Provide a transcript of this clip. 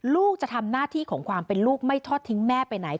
ลูกจะทำหน้าที่ของความเป็นลูกไม่ทอดทิ้งแม่ไปไหน